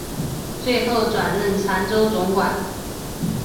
最后转任澶州总管。